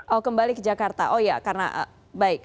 oh kembali ke jakarta oh iya karena baik